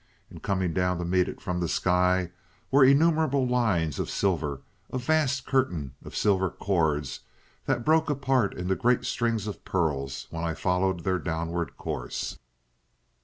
And coming down to meet it from the sky were innumerable lines of silver a vast curtain of silver cords that broke apart into great strings of pearls when I followed their downward course.